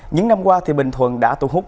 những năm qua thì bình thuận đã tổ hút